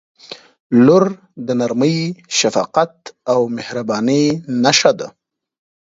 • لور د نرمۍ، شفقت او مهربانۍ نښه ده.